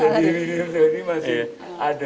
jadi masih ada